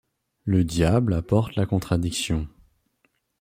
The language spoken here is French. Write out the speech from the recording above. Le diable apporte la contradiction.